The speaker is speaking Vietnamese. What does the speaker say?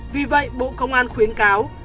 vì vậy bộ công an khuyến cáo